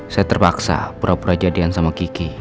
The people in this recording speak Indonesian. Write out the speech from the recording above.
saya terpaksa pura pura jadian sama kiki